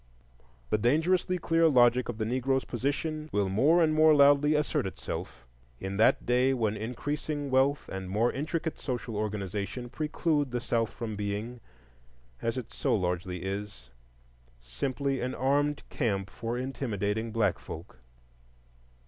The dangerously clear logic of the Negro's position will more and more loudly assert itself in that day when increasing wealth and more intricate social organization preclude the South from being, as it so largely is, simply an armed camp for intimidating black folk.